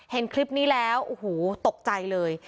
เห็นคลิปนี้แล้วโอ้โหตกใจเลย